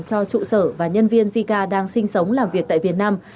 cho trụ sở và nhân viên zika đang sinh sống làm việc tại việt nam